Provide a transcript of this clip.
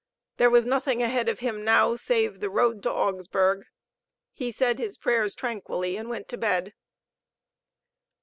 There was nothing ahead of him now save the road to Augsburg. He said his prayers tranquilly and went to bed.